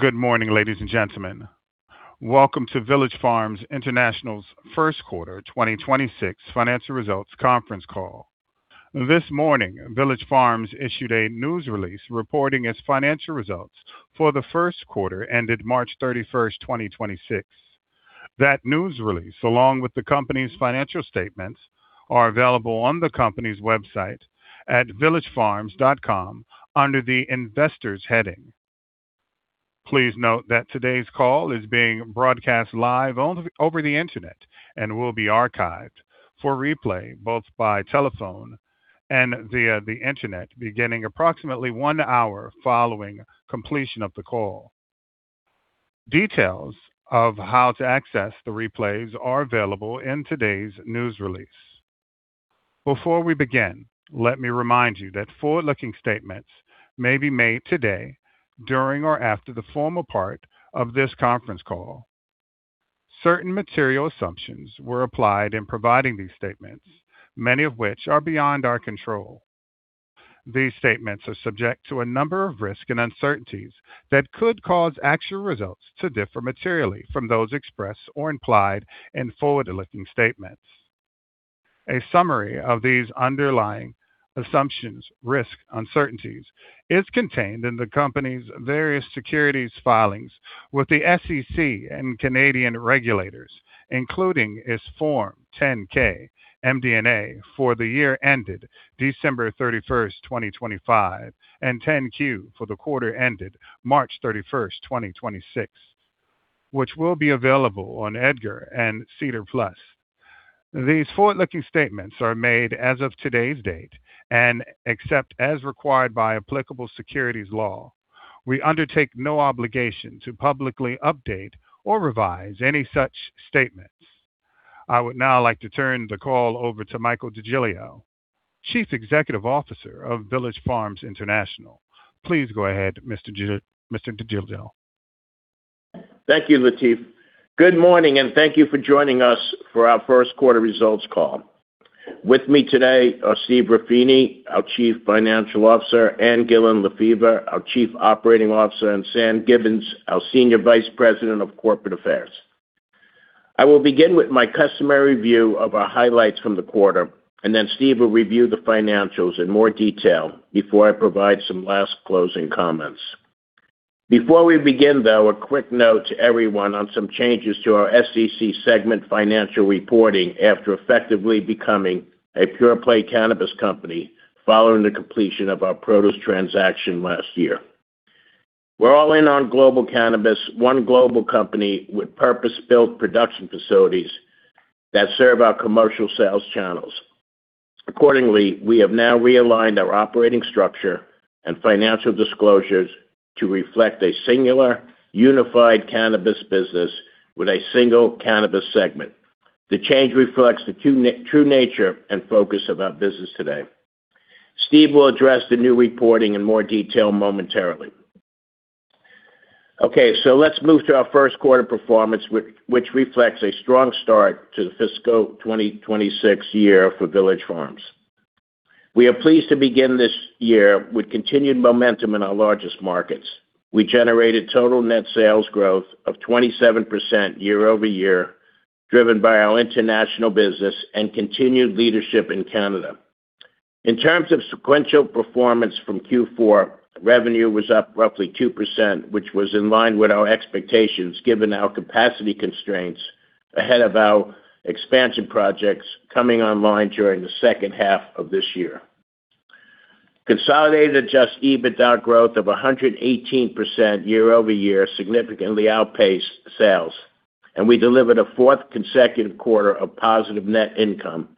Good morning, ladies and gentlemen. Welcome to Village Farms International's first quarter 2026 financial results conference call. This morning, Village Farms issued a news release reporting its financial results for the first quarter ended March 31st, 2026. That news release, along with the company's financial statements, are available on the company's website at villagefarms.com under the Investors heading. Please note that today's call is being broadcast live over the Internet and will be archived for replay both by telephone and via the Internet beginning approximately one hour following completion of the call. Details of how to access the replays are available in today's news release. Before we begin, let me remind you that forward-looking statements may be made today during or after the formal part of this conference call. Certain material assumptions were applied in providing these statements, many of which are beyond our control. These statements are subject to a number of risks and uncertainties that could cause actual results to differ materially from those expressed or implied in forward-looking statements. A summary of these underlying assumptions, risks, uncertainties is contained in the company's various securities filings with the SEC and Canadian regulators, including its Form 10-K MD&A for the year ended December 31st, 2025, and 10-Q for the quarter ended March 31st, 2026, which will be available on EDGAR and SEDAR+. These forward-looking statements are made as of today's date and, except as required by applicable securities law, we undertake no obligation to publicly update or revise any such statements. I would now like to turn the call over to Michael DeGiglio, Chief Executive Officer of Village Farms International. Please go ahead, Mr. DeGiglio. Thank you, Lateef. Good morning, thank you for joining us for our first quarter results call. With me today are Steve Ruffini, our Chief Financial Officer, and Ann Gillin Lefever, our Chief Operating Officer, and Sam Gibbons, our Senior Vice President of Corporate Affairs. I will begin with my customary view of our highlights from the quarter, then Steve will review the financials in more detail before I provide some last closing comments. Before we begin, though, a quick note to everyone on some changes to our SEC segment financial reporting after effectively becoming a pure-play cannabis company following the completion of our produce transaction last year. We're all in on global cannabis, one global company with purpose-built production facilities that serve our commercial sales channels. Accordingly, we have now realigned our operating structure and financial disclosures to reflect a singular, unified cannabis business with a single Cannabis Segment. The change reflects the true nature and focus of our business today. Steve will address the new reporting in more detail momentarily. Let's move to our first quarter performance which reflects a strong start to the fiscal 2026 year for Village Farms. We are pleased to begin this year with continued momentum in our largest markets. We generated total net sales growth of 27% year-over-year, driven by our international business and continued leadership in Canada. In terms of sequential performance from Q4, revenue was up roughly 2%, which was in line with our expectations given our capacity constraints ahead of our expansion projects coming online during the second half of this year. Consolidated adjusted EBITDA growth of 118% year-over-year significantly outpaced sales. We delivered a fourth consecutive quarter of positive net income,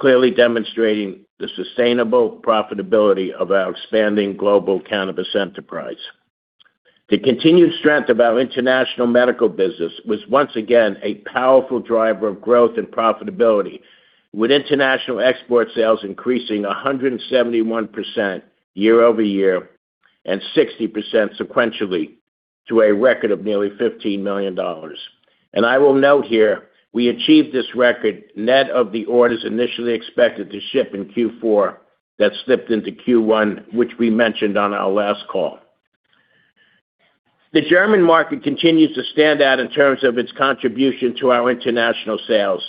clearly demonstrating the sustainable profitability of our expanding global cannabis enterprise. The continued strength of our international medical business was once again a powerful driver of growth and profitability, with international export sales increasing 171% year-over-year and 60% sequentially to a record of nearly $15 million. I will note here, we achieved this record net of the orders initially expected to ship in Q4 that slipped into Q1, which we mentioned on our last call. The German market continues to stand out in terms of its contribution to our international sales.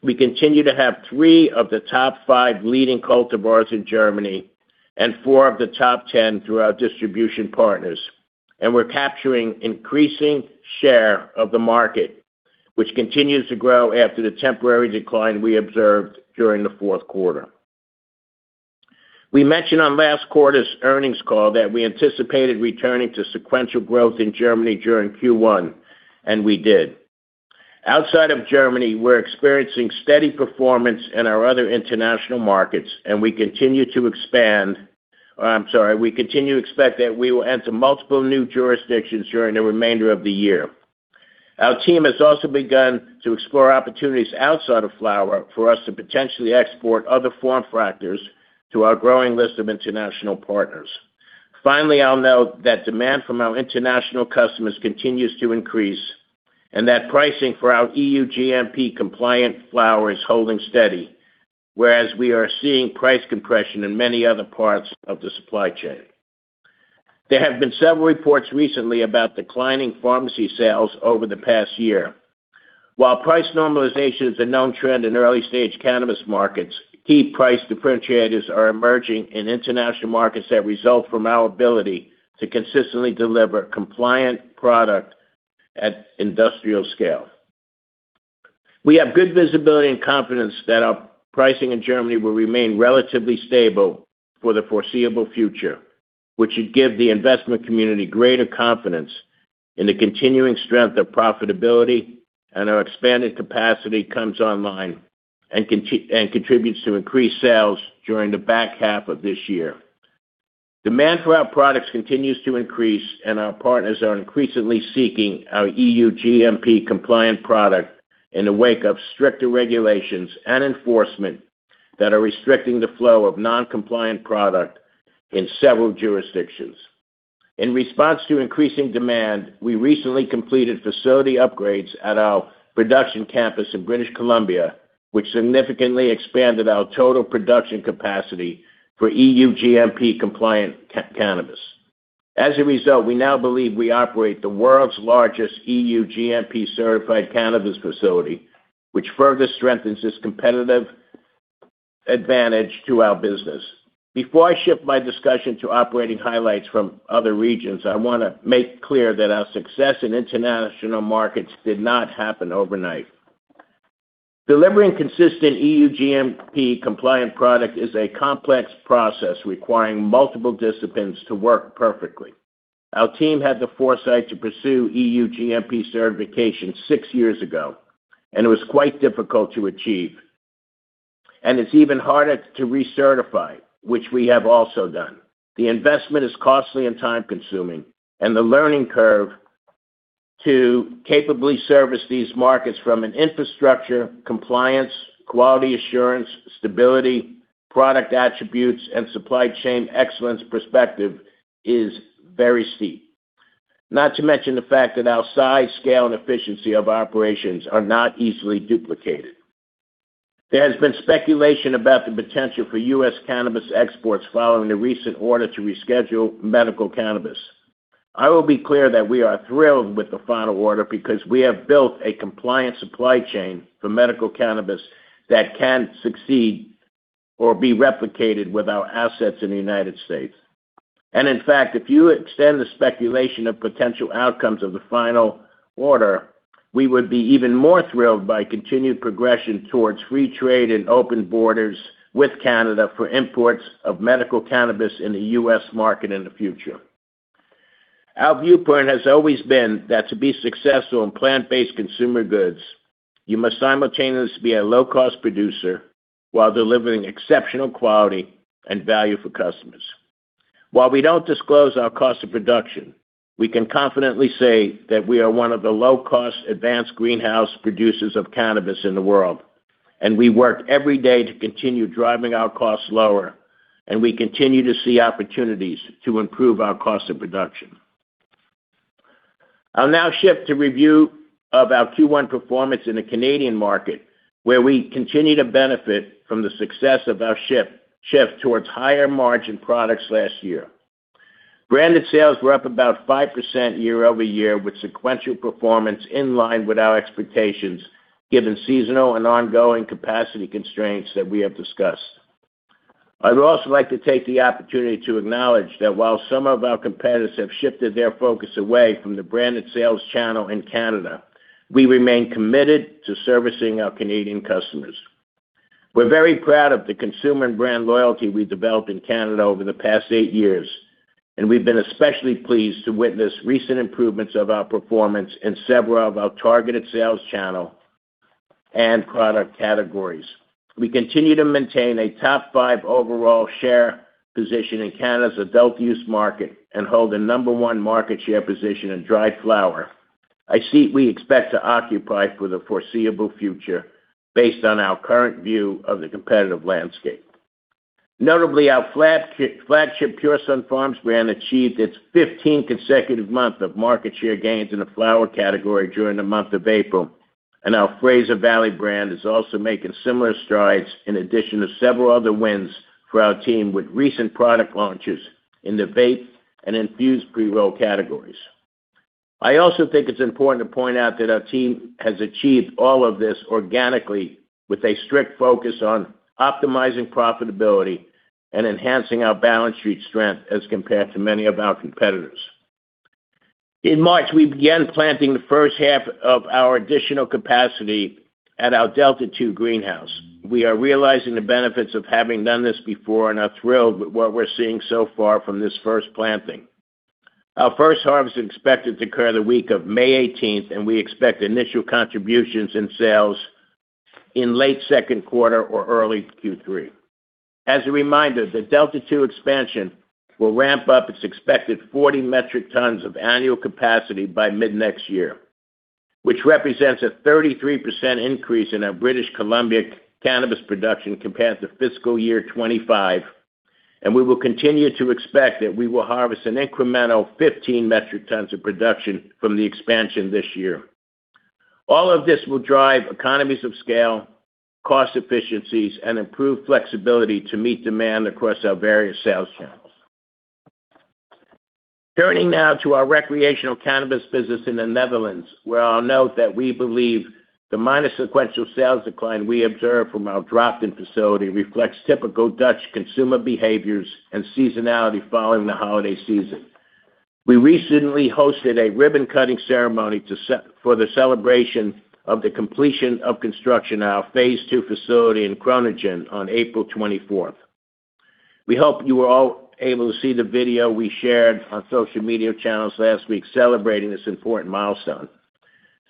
We continue to have three of the top five leading cultivars in Germany and four of the top 10 through our distribution partners, we're capturing increasing share of the market, which continues to grow after the temporary decline we observed during fourth quarter. We mentioned on last quarter's earnings call that we anticipated returning to sequential growth in Germany during Q1, we did. Outside of Germany, we're experiencing steady performance in our other international markets, we continue to expect that we will enter multiple new jurisdictions during the remainder of the year. Our team has also begun to explore opportunities outside of flower for us to potentially export other form factors to our growing list of international partners. I'll note that demand from our international customers continues to increase and that pricing for our EU GMP-compliant flower is holding steady. We are seeing price compression in many other parts of the supply chain. There have been several reports recently about declining pharmacy sales over the past year. While price normalization is a known trend in early-stage cannabis markets, key price differentiators are emerging in international markets that result from our ability to consistently deliver compliant product at industrial scale. We have good visibility and confidence that our pricing in Germany will remain relatively stable for the foreseeable future, which should give the investment community greater confidence in the continuing strength of profitability and our expanded capacity comes online and contributes to increased sales during the back half of this year. Demand for our products continues to increase, and our partners are increasingly seeking our EU GMP-compliant product in the wake of stricter regulations and enforcement that are restricting the flow of non-compliant product in several jurisdictions. In response to increasing demand, we recently completed facility upgrades at our production campus in British Columbia, which significantly expanded our total production capacity for EU GMP-compliant cannabis. As a result, we now believe we operate the world’s largest EU GMP-certified cannabis facility, which further strengthens this competitive advantage to our business. Before I shift my discussion to operating highlights from other regions, I wanna make clear that our success in international markets did not happen overnight. Delivering consistent EU GMP-compliant product is a complex process requiring multiple disciplines to work perfectly. Our team had the foresight to pursue EU GMP certification six years ago, and it was quite difficult to achieve, and it’s even harder to recertify, which we have also done. The investment is costly and time-consuming, and the learning curve to capably service these markets from an infrastructure, compliance, quality assurance, stability, product attributes, and supply chain excellence perspective is very steep. Not to mention the fact that our size, scale, and efficiency of operations are not easily duplicated. There has been speculation about the potential for U.S. cannabis exports following the recent order to reschedule medical cannabis. I will be clear that we are thrilled with the final order because we have built a compliant supply chain for medical cannabis that can succeed or be replicated with our assets in the United States. In fact, if you extend the speculation of potential outcomes of the final order, we would be even more thrilled by continued progression towards free trade and open borders with Canada for imports of medical cannabis in the U.S. market in the future. Our viewpoint has always been that to be successful in plant-based consumer goods, you must simultaneously be a low-cost producer while delivering exceptional quality and value for customers. While we don’t disclose our cost of production, we can confidently say that we are one of the low-cost advanced greenhouse producers of cannabis in the world, and we work every day to continue driving our costs lower, and we continue to see opportunities to improve our cost of production. I’ll now shift to review of our Q1 performance in the Canadian market, where we continue to benefit from the success of our shift towards higher-margin products last year. Branded sales were up about 5% year-over-year, with sequential performance in line with our expectations given seasonal and ongoing capacity constraints that we have discussed. I would also like to take the opportunity to acknowledge that while some of our competitors have shifted their focus away from the branded sales channel in Canada, we remain committed to servicing our Canadian customers. We’re very proud of the consumer and brand loyalty we developed in Canada over the past eight years, and we’ve been especially pleased to witness recent improvements of our performance in several of our targeted sales channel and product categories. We continue to maintain a top five overall share position in Canada’s adult-use market and hold the number one market share position in dry flower, a seat we expect to occupy for the foreseeable future based on our current view of the competitive landscape. Notably, our flagship Pure Sunfarms brand achieved its 15th consecutive month of market share gains in the flower category during the month of April, and our Fraser Valley brand is also making similar strides in addition to several other wins for our team with recent product launches in the vape and infused pre-roll categories. I also think it’s important to point out that our team has achieved all of this organically with a strict focus on optimizing profitability and enhancing our balance sheet strength as compared to many of our competitors. In March, we began planting the first half of our additional capacity at our Delta 2 greenhouse. We are realizing the benefits of having done this before and are thrilled with what we’re seeing so far from this first planting. Our first harvest is expected to occur the week of May 18th, and we expect initial contributions in sales in late second quarter or early Q3. As a reminder, the Delta 2 expansion will ramp up its expected 40 metric tons of annual capacity by mid-next year, which represents a 33% increase in our British Columbia cannabis production compared to fiscal year 2025, and we will continue to expect that we will harvest an incremental 15 metric tons of production from the expansion this year. All of this will drive economies of scale, cost efficiencies, and improve flexibility to meet demand across our various sales channels. Turning now to our recreational cannabis business in the Netherlands, where I'll note that we believe the minor sequential sales decline we observe from our Drachten facility reflects typical Dutch consumer behaviors and seasonality following the holiday season. We recently hosted a ribbon-cutting ceremony for the celebration of the completion of construction of our phase II facility in Groningen on April 24th. We hope you were all able to see the video we shared on social media channels last week celebrating this important milestone.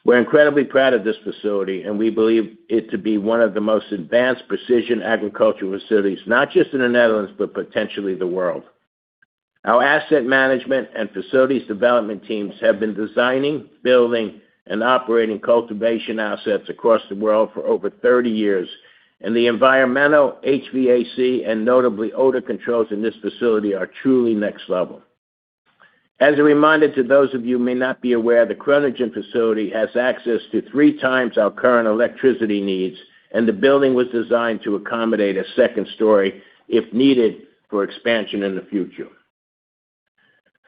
We're incredibly proud of this facility. We believe it to be one of the most advanced precision agricultural facilities, not just in the Netherlands, but potentially the world. Our asset management and facilities development teams have been designing, building, and operating cultivation assets across the world for over 30 years, and the environmental HVAC and notably odor controls in this facility are truly next level. As a reminder to those of you who may not be aware, the Groningen facility has access to 3x our current electricity needs, and the building was designed to accommodate a second story if needed for expansion in the future.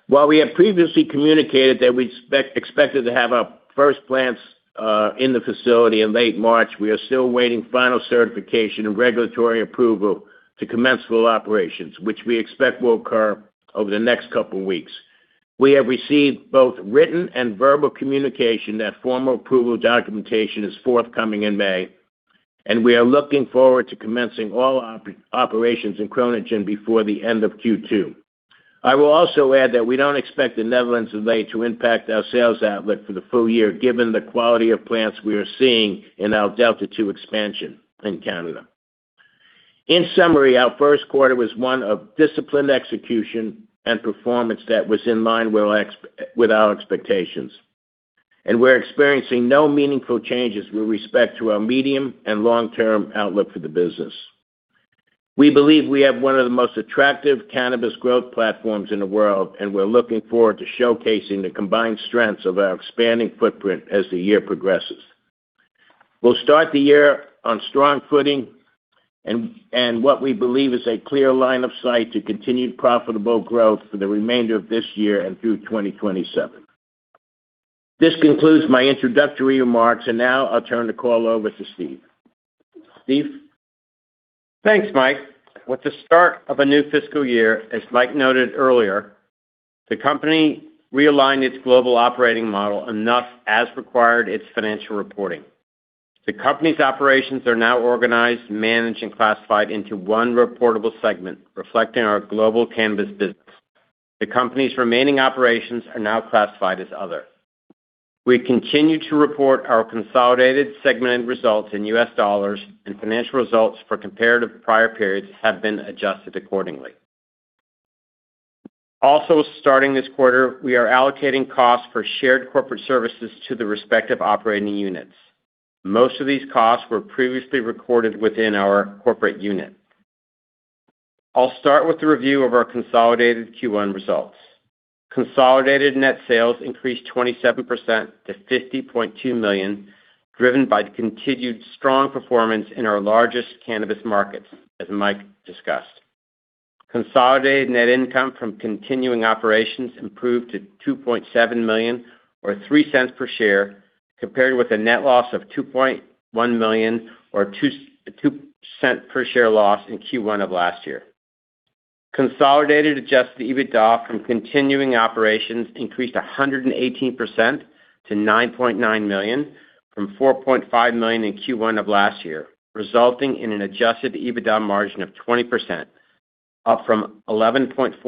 While we have previously communicated that we expected to have our first plants in the facility in late March, we are still awaiting final certification and regulatory approval to commence full operations, which we expect will occur over the next couple weeks. We have received both written and verbal communication that formal approval documentation is forthcoming in May. We are looking forward to commencing all operations in Groningen before the end of Q2. I will also add that we don't expect the Netherlands delay to impact our sales outlet for the full year given the quality of plants we are seeing in our Delta 2 expansion in Canada. In summary, our first quarter was one of disciplined execution and performance that was in line with our expectations. We're experiencing no meaningful changes with respect to our medium and long-term outlook for the business. We believe we have one of the most attractive cannabis growth platforms in the world. We're looking forward to showcasing the combined strengths of our expanding footprint as the year progresses. We'll start the year on strong footing and what we believe is a clear line of sight to continued profitable growth for the remainder of this year and through 2027. This concludes my introductory remarks. Now I'll turn the call over to Steve. Steve? Thanks, Mike. With the start of a new fiscal year, as Mike noted earlier, the company realigned its global operating model enough as required its financial reporting. The company's operations are now organized, managed, and classified into one reportable segment, reflecting our global cannabis business. The company's remaining operations are now classified as other. We continue to report our consolidated segmented results in U.S. dollars and financial results for comparative prior periods have been adjusted accordingly. Starting this quarter, we are allocating costs for shared corporate services to the respective operating units. Most of these costs were previously recorded within our corporate unit. I'll start with a review of our consolidated Q1 results. Consolidated net sales increased 27% to $50.2 million, driven by the continued strong performance in our largest cannabis markets, as Mike discussed. Consolidated net income from continuing operations improved to $2.7 million or $0.03 per share, compared with a net loss of $2.1 million or 2.2% per share loss in Q1 of last year. Consolidated adjusted EBITDA from continuing operations increased 118% to $9.9 million from $4.5 million in Q1 of last year, resulting in an adjusted EBITDA margin of 20%, up from 11.4%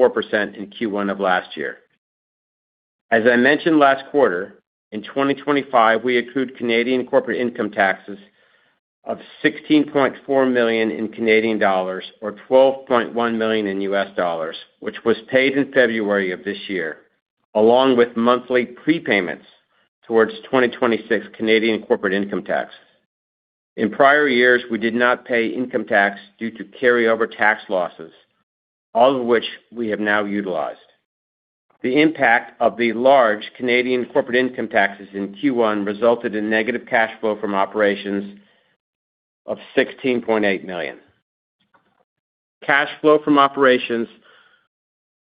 in Q1 of last year. As I mentioned last quarter, in 2025, we accrued Canadian corporate income taxes of 16.4 million or $12.1 million, which was paid in February of this year, along with monthly prepayments towards 2026 Canadian corporate income tax. In prior years, we did not pay income tax due to carryover tax losses, all of which we have now utilized. The impact of the large Canadian corporate income taxes in Q1 resulted in negative cash flow from operations of $16.8 million. Cash flow from operations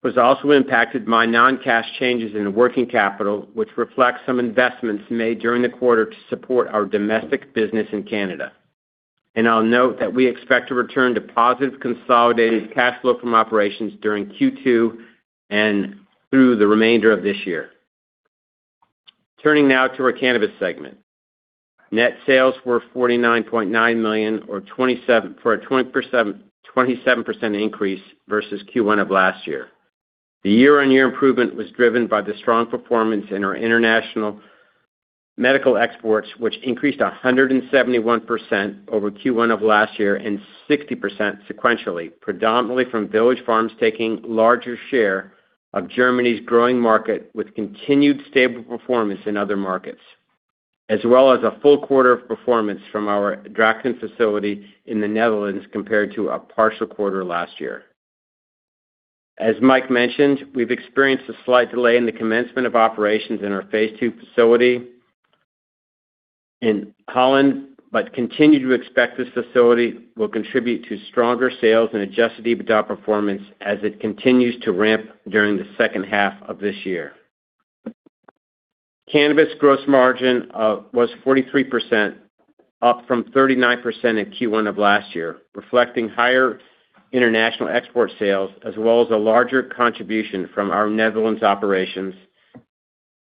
was also impacted by non-cash changes in working capital, which reflects some investments made during the quarter to support our domestic business in Canada. I'll note that we expect to return to positive consolidated cash flow from operations during Q2 and through the remainder of this year. Turning now to our cannabis segment. Net sales were $49.9 million or a 27% increase versus Q1 of last year. The year-over-year improvement was driven by the strong performance in our international medical exports, which increased 171% over Q1 of last year and 60% sequentially, predominantly from Village Farms taking larger share of Germany's growing market with continued stable performance in other markets, as well as a full quarter of performance from our Drachten facility in the Netherlands compared to a partial quarter last year. As Mike mentioned, we've experienced a slight delay in the commencement of operations in our phase II facility in the Netherlands, but continue to expect this facility will contribute to stronger sales and adjusted EBITDA performance as it continues to ramp during the second half of this year. Cannabis gross margin was 43%, up from 39% in Q1 of last year, reflecting higher international export sales as well as a larger contribution from our Netherlands operations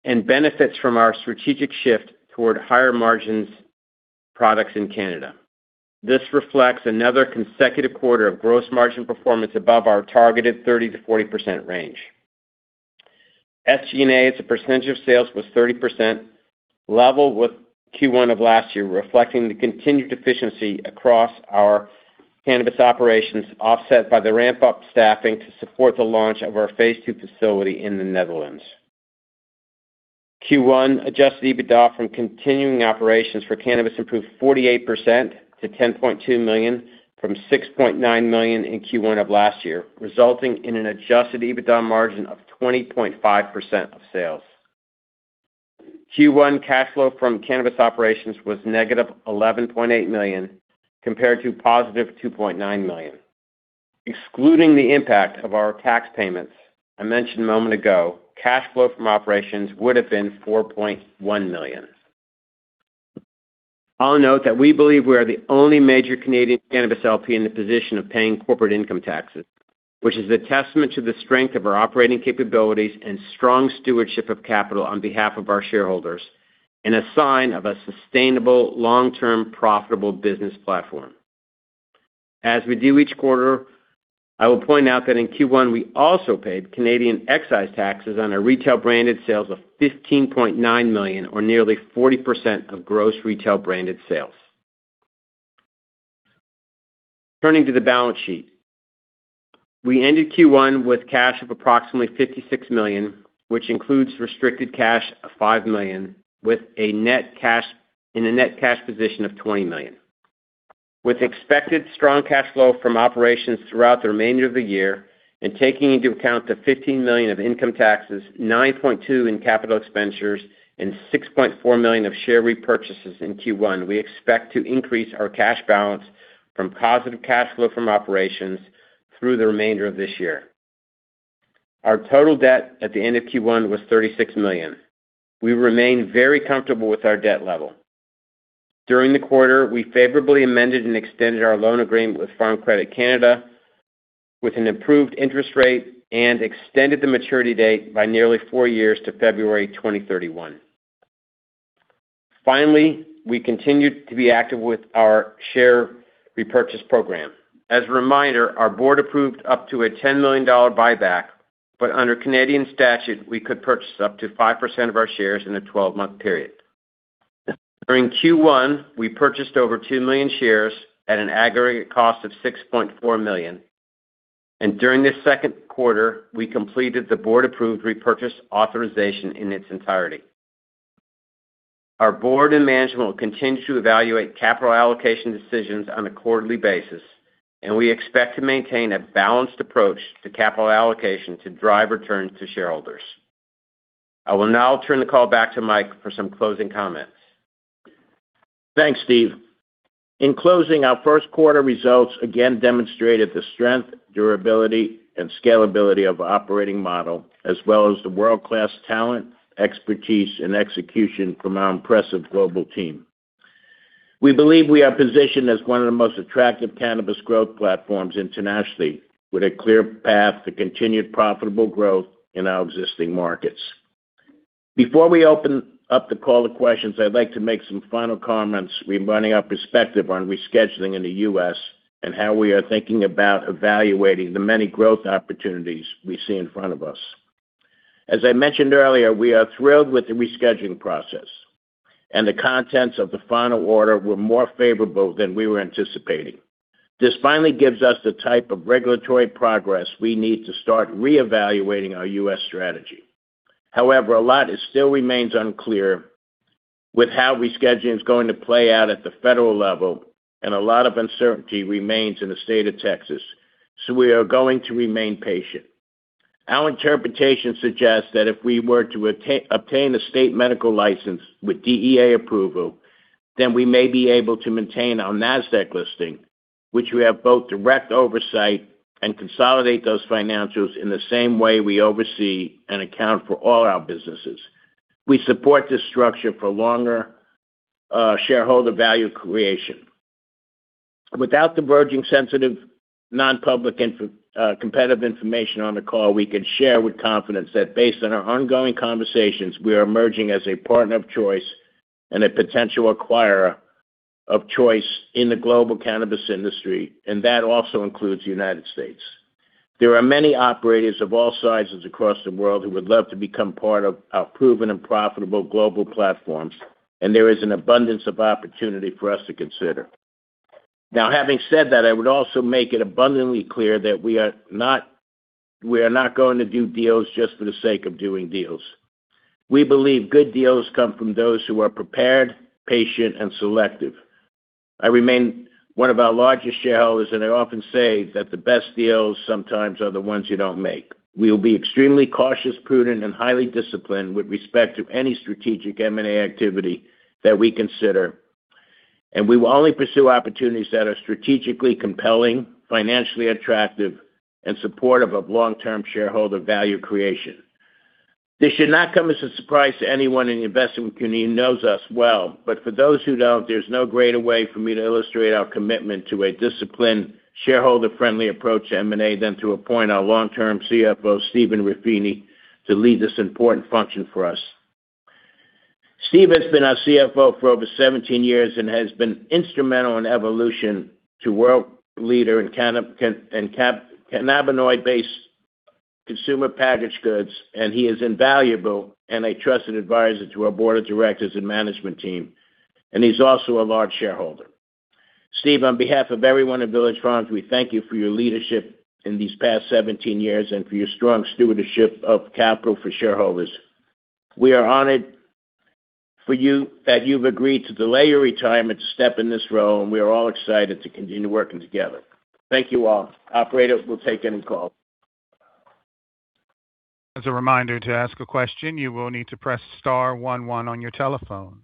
and benefits from our strategic shift toward higher margins products in Canada. This reflects another consecutive quarter of gross margin performance above our targeted 30%-40% range. SG&A as a percentage of sales was 30% level with Q1 of last year, reflecting the continued efficiency across our cannabis operations, offset by the ramp-up staffing to support the launch of our phase II facility in the Netherlands. Q1 adjusted EBITDA from continuing operations for cannabis improved 48% to $10.2 million from $6.9 million in Q1 of last year, resulting in an adjusted EBITDA margin of 20.5% of sales. Q1 cash flow from cannabis operations was negative $11.8 million compared to positive $2.9 million. Excluding the impact of our tax payments I mentioned a moment ago, cash flow from operations would have been $4.1 million. I'll note that we believe we are the only major Canadian cannabis LP in the position of paying corporate income taxes, which is a testament to the strength of our operating capabilities and strong stewardship of capital on behalf of our shareholders and a sign of a sustainable long-term profitable business platform. As we do each quarter, I will point out that in Q1 we also paid Canadian excise taxes on our retail branded sales of 15.9 million or nearly 40% of gross retail branded sales. Turning to the balance sheet. We ended Q1 with cash of approximately $56 million, which includes restricted cash of $5 million, in a net cash position of $20 million. With expected strong cash flow from operations throughout the remainder of the year and taking into account the $15 million of income taxes, $9.2 million in capital expenditures, and $6.4 million of share repurchases in Q1, we expect to increase our cash balance from positive cash flow from operations through the remainder of this year. Our total debt at the end of Q1 was $36 million. We remain very comfortable with our debt level. During the quarter, we favorably amended and extended our loan agreement with Farm Credit Canada with an improved interest rate and extended the maturity date by nearly four years to February 2031. Finally, we continued to be active with our share repurchase program. As a reminder, our board approved up to a $10 million buyback, but under Canadian statute, we could purchase up to 5% of our shares in a 12-month period. During Q1, we purchased over 2 million shares at an aggregate cost of $6.4 million, and during this second quarter, we completed the board-approved repurchase authorization in its entirety. Our board and management will continue to evaluate capital allocation decisions on a quarterly basis, and we expect to maintain a balanced approach to capital allocation to drive returns to shareholders. I will now turn the call back to Mike for some closing comments. Thanks, Steve. In closing, our first quarter results again demonstrated the strength, durability, and scalability of our operating model as well as the world-class talent, expertise, and execution from our impressive global team. We believe we are positioned as one of the most attractive cannabis growth platforms internationally with a clear path to continued profitable growth in our existing markets. Before we open up the call to questions, I'd like to make some final comments regarding our perspective on rescheduling in the U.S. and how we are thinking about evaluating the many growth opportunities we see in front of us. As I mentioned earlier, we are thrilled with the rescheduling process, and the contents of the final order were more favorable than we were anticipating. This finally gives us the type of regulatory progress we need to start reevaluating our U.S. strategy. A lot still remains unclear with how rescheduling is going to play out at the federal level, and a lot of uncertainty remains in the state of Texas. We are going to remain patient. Our interpretation suggests that if we were to obtain a state medical license with DEA approval, we may be able to maintain our Nasdaq listing, which we have both direct oversight and consolidate those financials in the same way we oversee and account for all our businesses. We support this structure for longer shareholder value creation. Without divulging sensitive non-public competitive information on the call, we can share with confidence that based on our ongoing conversations, we are emerging as a partner of choice and a potential acquirer of choice in the global cannabis industry. That also includes United States. There are many operators of all sizes across the world who would love to become part of our proven and profitable global platforms, and there is an abundance of opportunity for us to consider. Having said that, I would also make it abundantly clear that we are not going to do deals just for the sake of doing deals. We believe good deals come from those who are prepared, patient, and selective. I remain one of our largest shareholders, and I often say that the best deals sometimes are the ones you don't make. We will be extremely cautious, prudent, and highly disciplined with respect to any strategic M&A activity that we consider, and we will only pursue opportunities that are strategically compelling, financially attractive, and supportive of long-term shareholder value creation. This should not come as a surprise to anyone in the investment community who knows us well, but for those who don't, there's no greater way for me to illustrate our commitment to a disciplined, shareholder-friendly approach to M&A than to appoint our long-term CFO, Steve Ruffini, to lead this important function for us. Steve has been our CFO for over 17 years and has been instrumental in evolution to world leader in cannabinoid-based consumer packaged goods. He is invaluable and a trusted advisor to our board of directors and management team. He's also a large shareholder. Steve, on behalf of everyone at Village Farms, we thank you for your leadership in these past 17 years and for your strong stewardship of capital for shareholders. We are honored for you that you've agreed to delay your retirement to step in this role, and we are all excited to continue working together. Thank you all. Operator, we'll take any calls. As a reminder, to ask a question, you will need to press star one one on your telephone.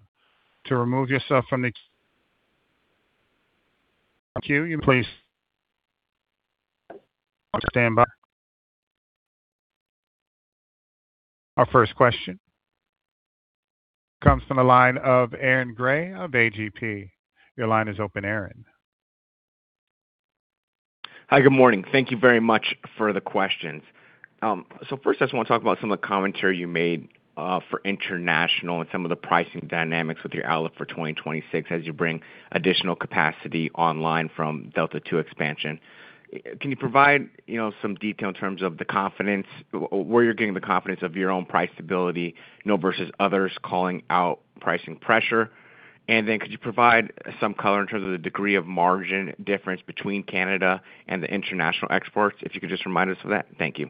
To remove yourself from the queue, please standby. Our first question comes from the line of Aaron Grey of AGP. Your line is open, Aaron. Hi. Good morning. Thank you very much for the questions. First I just want to talk about some of the commentary you made for international and some of the pricing dynamics with your outlook for 2026 as you bring additional capacity online from Delta 2 expansion. Can you provide, you know, some detail in terms of the confidence, where you're getting the confidence of your own price stability, you know, versus others calling out pricing pressure? Could you provide some color in terms of the degree of margin difference between Canada and the international exports, if you could just remind us of that? Thank you.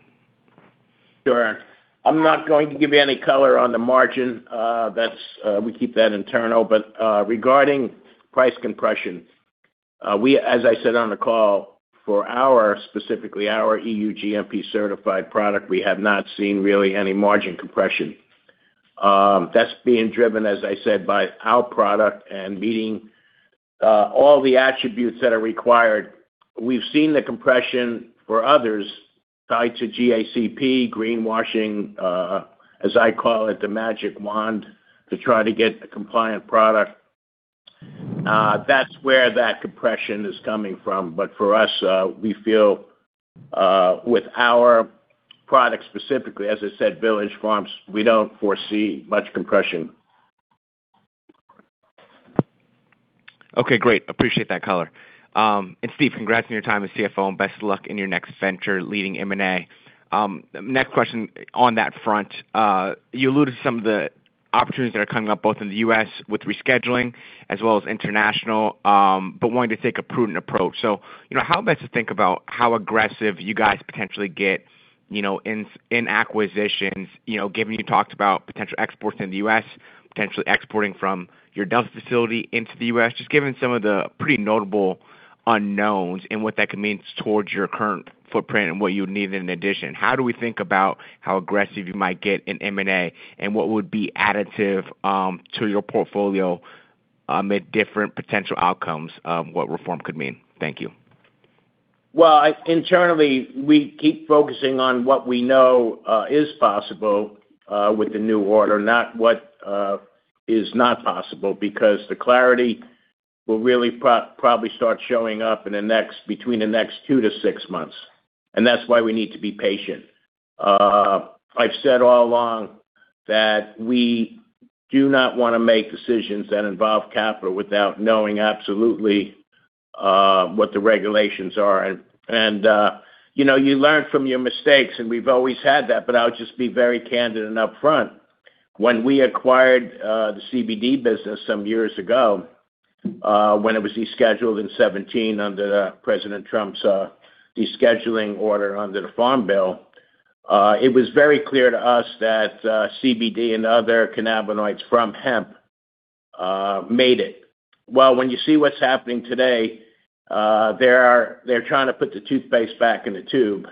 Sure. I'm not going to give you any color on the margin. That's, we keep that internal. Regarding price compression, as I said on the call, for our, specifically our EU GMP certified product, we have not seen really any margin compression. That's being driven, as I said, by our product and meeting all the attributes that are required. We've seen the compression for others tied to GACP, greenwashing, as I call it, the magic wand to try to get a compliant product. That's where that compression is coming from. For us, we feel, with our product specifically, as I said, Village Farms, we don't foresee much compression. Okay, great. Appreciate that color. Steve, congrats on your time as CFO and best of luck in your next venture leading M&A. Next question on that front. You alluded to some of the opportunities that are coming up both in the U.S. with rescheduling as well as international, wanting to take a prudent approach. You know, how best to think about how aggressive you guys potentially get in acquisitions, you know, given you talked about potential exports in the U.S., potentially exporting from your Delta facility into the U.S., just given some of the pretty notable unknowns and what that could mean towards your current footprint and what you would need in addition. How do we think about how aggressive you might get in M&A and what would be additive to your portfolio amid different potential outcomes of what reform could mean? Thank you. Well, internally, we keep focusing on what we know is possible with the new order, not what is not possible, because the clarity will really probably start showing up in the next, between the next two to six months, and that's why we need to be patient. I've said all along that we do not want to make decisions that involve capital without knowing absolutely what the regulations are. You know, you learn from your mistakes, and we've always had that, but I'll just be very candid and upfront. When we acquired the CBD business some years ago, when it was rescheduled in 2017 under President Trump's descheduling order under the Farm Bill, it was very clear to us that CBD and other cannabinoids from hemp made it. Well, when you see what's happening today, they're trying to put the toothpaste back in the tube,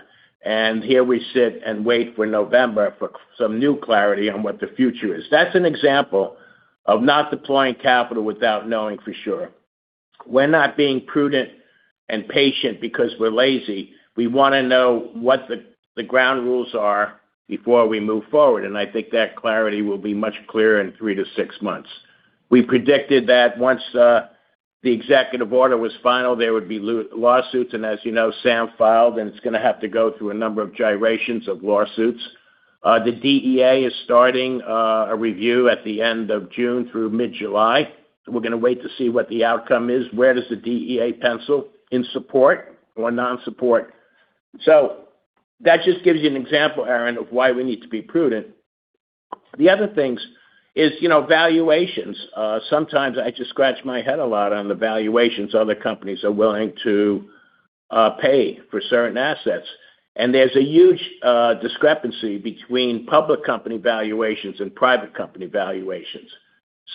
and here we sit and wait for November for some new clarity on what the future is. That's an example of not deploying capital without knowing for sure. We're not being prudent and patient because we're lazy. We want to know what the ground rules are before we move forward, and I think that clarity will be much clearer in three to six months. We predicted that once the executive order was final, there would be lawsuits, and as you know, SAM filed, and it's going to have to go through a number of gyrations of lawsuits. The DEA is starting a review at the end of June through mid-July. We're going to wait to see what the outcome is. Where does the DEA pencil in support or non-support? That just gives you an example, Aaron, of why we need to be prudent. The other things is, you know, valuations. Sometimes I just scratch my head a lot on the valuations other companies are willing to pay for certain assets. There's a huge discrepancy between public company valuations and private company valuations.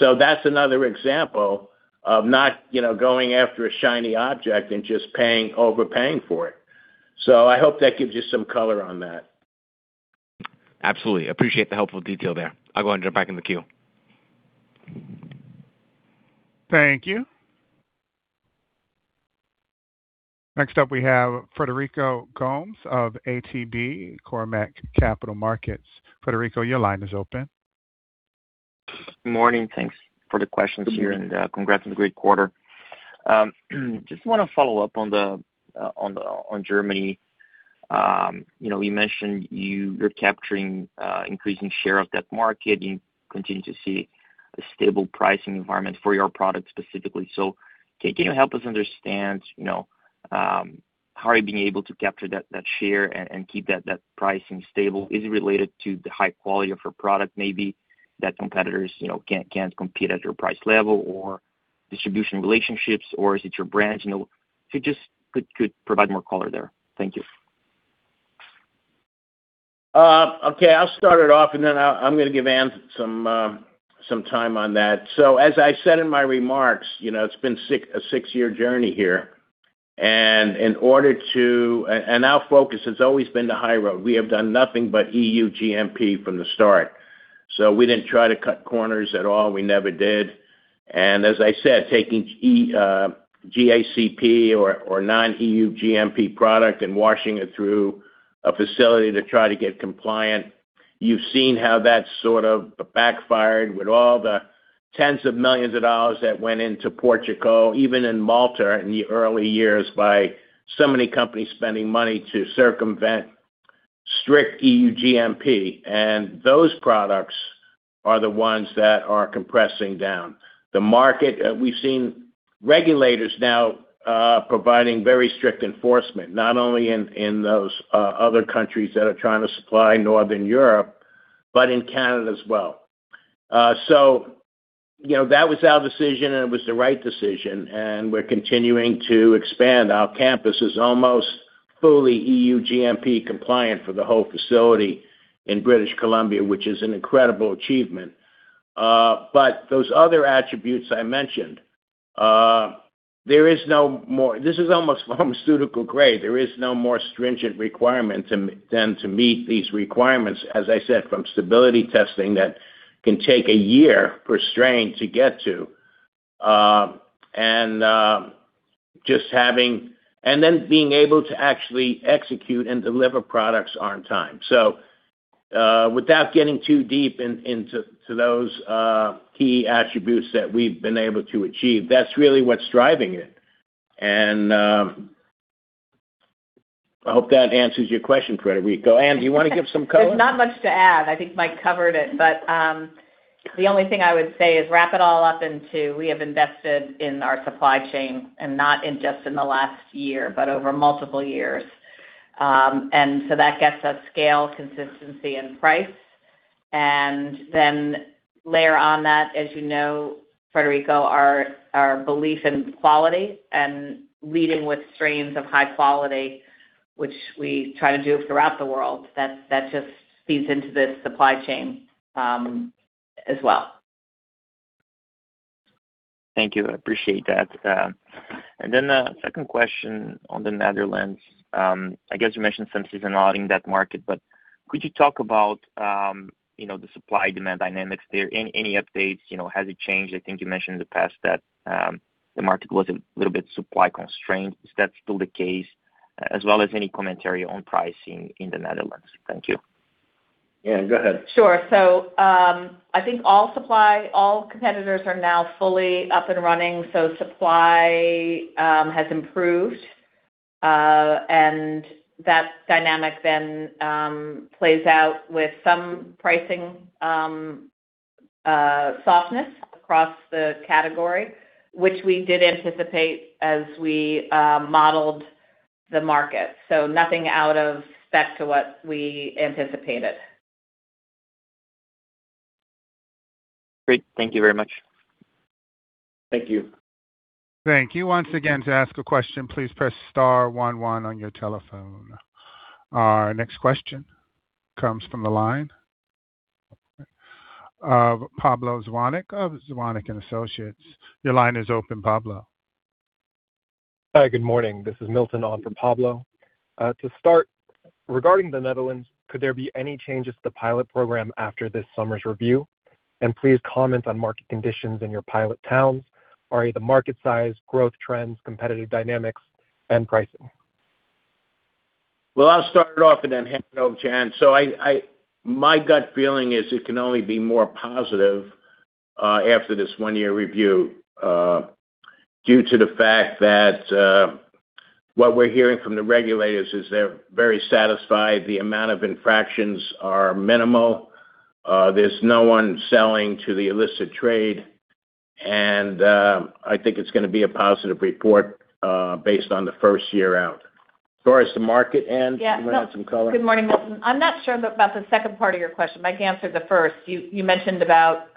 That's another example of not, you know, going after a shiny object and just paying, overpaying for it. I hope that gives you some color on that. Absolutely. Appreciate the helpful detail there. I'll go and jump back in the queue. Thank you. Next up, we have Federico Gomes of ATB Cormark Capital Markets. Federico, your line is open. Morning, thanks for the questions here and congrats on a great quarter. Just wanna follow up on the on Germany. You know, you mentioned you're capturing increasing share of that market. You continue to see a stable pricing environment for your products specifically. Can you help us understand, you know, how are you being able to capture that share and keep that pricing stable? Is it related to the high quality of your product, maybe, that competitors, you know, can't compete at your price level or distribution relationships, or is it your brands? You know, if you just could provide more color there. Thank you. Okay, I'll start it off, and then I'm gonna give Ann some time on that. As I said in my remarks, you know, it's been a six-year journey here. In order to, our focus has always been the high road. We have done nothing but EU GMP from the start. We didn't try to cut corners at all. We never did. As I said, taking GACP or non-EU GMP product and washing it through a facility to try to get compliant, you've seen how that sort of backfired with all the tens of millions of dollars that went into Portugal, even in Malta in the early years by so many companies spending money to circumvent strict EU GMP. Those products are the ones that are compressing down. The market, we've seen regulators now providing very strict enforcement, not only in those other countries that are trying to supply Northern Europe, but in Canada as well. You know, that was our decision, and it was the right decision, and we're continuing to expand. Our campus is almost fully EU GMP compliant for the whole facility in British Columbia, which is an incredible achievement. Those other attributes I mentioned, this is almost pharmaceutical grade. There is no more stringent requirement than to meet these requirements, as I said, from stability testing that can take a year per strain to get to. Being able to actually execute and deliver products on time. Without getting too deep into those key attributes that we've been able to achieve, that's really what's driving it. I hope that answers your question, Federico. Ann, do you wanna give some color? There's not much to add. I think Mike covered it. The only thing I would say is wrap it all up into we have invested in our supply chain and not in just in the last year, but over multiple years. That gets us scale, consistency, and price. Layer on that, as you know, Federico, our belief in quality and leading with strains of high quality, which we try to do throughout the world. That just feeds into this supply chain as well. Thank you. I appreciate that. The second question on the Netherlands, I guess you mentioned some seasonality in that market, but could you talk about, you know, the supply-demand dynamics there? Any, any updates? You know, has it changed? I think you mentioned in the past that the market was a little bit supply constrained. Is that still the case? As well as any commentary on pricing in the Netherlands. Thank you. Yeah, go ahead. Sure. I think all supply, all competitors are now fully up and running, supply has improved. That dynamic then plays out with some pricing softness across the category, which we did anticipate as we modeled the market. Nothing out of spec to what we anticipated. Great. Thank you very much. Thank you. Thank you. Once again, to ask a question, please press star one one on your telephone. Our next question comes from the line of Pablo Zuanic of Zuanic & Associates. Your line is open, Pablo. Hi, good morning. This is Milton on for Pablo. To start, regarding the Netherlands, could there be any changes to the pilot program after this summer's review? Please comment on market conditions in your pilot towns or the market size, growth trends, competitive dynamics, and pricing. Well, I'll start off and then hand it over to Ann. My gut feeling is it can only be more positive after this one-year review, due to the fact that what we're hearing from the regulators is they're very satisfied. The amount of infractions are minimal. There's no one selling to the illicit trade. I think it's gonna be a positive report, based on the first year out. Doris to market, Ann? Yeah. You want to add some color? Good morning, Milton. I'm not sure about the second part of your question. I might answer the first. You mentioned about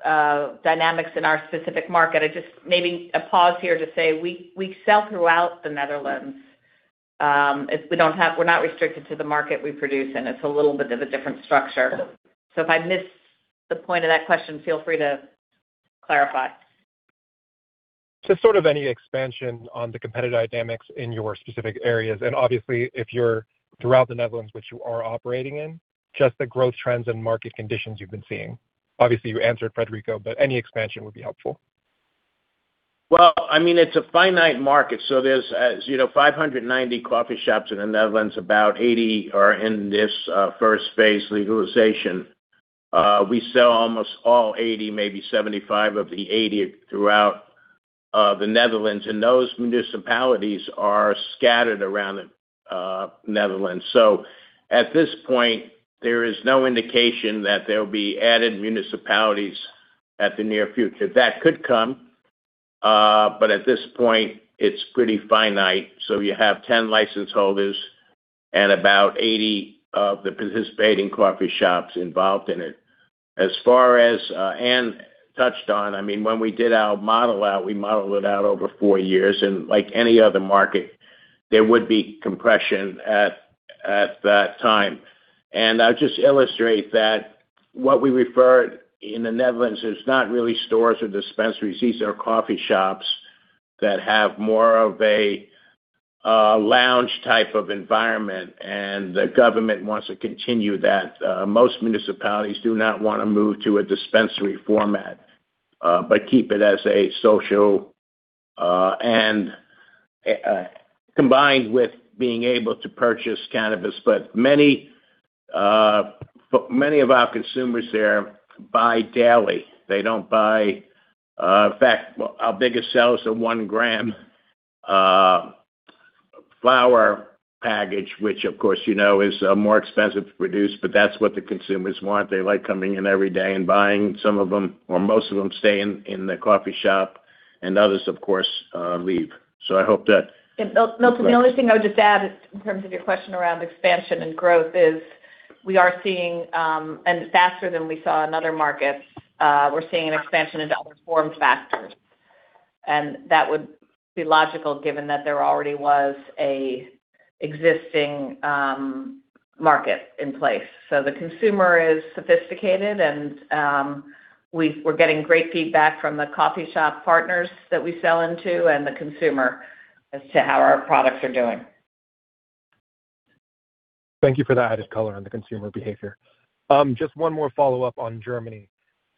dynamics in our specific market. I just maybe a pause here to say we sell throughout the Netherlands. We're not restricted to the market we produce in. It's a little bit of a different structure. If I missed the point of that question, feel free to clarify. Just sort of any expansion on the competitive dynamics in your specific areas? Obviously, if you're throughout the Netherlands, which you are operating in, just the growth trends and market conditions you've been seeing? Obviously, you answered Federico, but any expansion would be helpful. Well, I mean, it's a finite market, there's, as you know, 590 coffee shops in the Netherlands. About 80 are in this, first phase legalization. We sell almost all 80, maybe 75 of the 80 throughout the Netherlands, and those municipalities are scattered around the Netherlands. At this point, there is no indication that there will be added municipalities at the near future. That could come, at this point it's pretty finite. You have 10 license holders and about 80 of the participating coffee shops involved in it. As far as Ann touched on, I mean, when we did our model out, we modeled it out over four years and like any other market, there would be compression at that time. I'll just illustrate that what we referred in the Netherlands is not really stores or dispensaries. These are coffee shops that have more of a lounge type of environment, and the government wants to continue that. Most municipalities do not want to move to a dispensary format, but keep it as a social, and combined with being able to purchase cannabis. Many of our consumers there buy daily. They don't buy, in fact, our biggest sales are 1 gram flower package, which of course, you know, is more expensive to produce, but that's what the consumers want. They like coming in every day and buying. Some of them or most of them stay in the coffee shop and others of course, leave. Milton, the only thing I would just add in terms of your question around expansion and growth is we are seeing, and faster than we saw in other markets, we're seeing an expansion into other form factors, and that would be logical given that there already was a existing market in place. The consumer is sophisticated and we're getting great feedback from the coffee shop partners that we sell into and the consumer as to how our products are doing. Thank you for that added color on the consumer behavior. Just one more follow-up on Germany.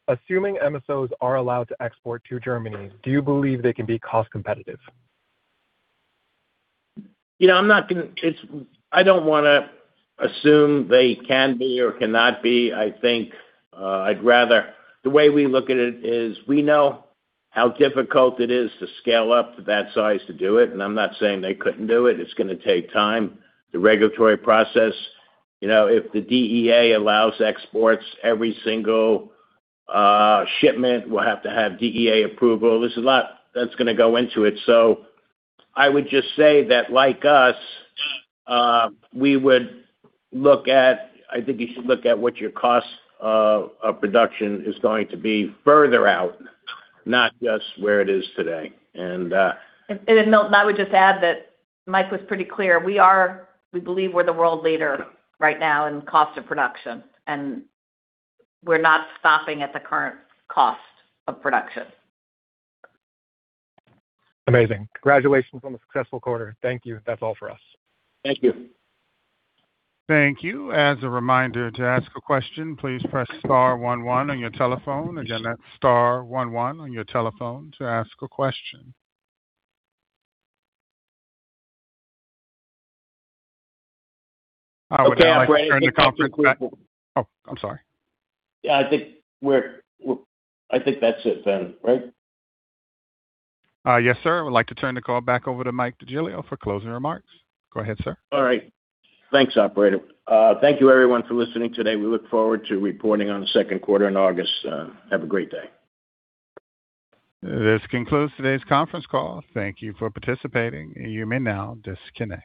Assuming MSOs are allowed to export to Germany, do you believe they can be cost competitive? You know, I don't wanna assume they can be or cannot be. I think, I'd rather the way we look at it is we know how difficult it is to scale up to that size to do it, and I'm not saying they couldn't do it. It's gonna take time. The regulatory process, you know, if the DEA allows exports, every single shipment will have to have DEA approval. There's a lot that's gonna go into it. I would just say that like us, we would look at I think you should look at what your cost of production is going to be further out, not just where it is today. Milt, I would just add that Mike was pretty clear. We believe we're the world leader right now in cost of production, and we're not stopping at the current cost of production. Amazing. Congratulations on the successful quarter. Thank you. That's all for us. Thank you. Thank you. As a reminder to ask a question, please press star one one on your telephone. That's star one one on your telephone to ask a question. I would now like to turn the conference back. Okay, operator. Oh, I'm sorry. Yeah, I think that's it then, right? Yes, sir. I would like to turn the call back over to Michael DeGiglio for closing remarks. Go ahead, sir. All right. Thanks, operator. Thank you everyone for listening today. We look forward to reporting on the second quarter in August. Have a great day. This concludes today's conference call. Thank you for participating. You may now disconnect.